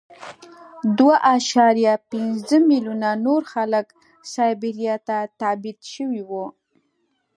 دوه اعشاریه پنځه میلیونه نور خلک سایبریا ته تبعید شوي وو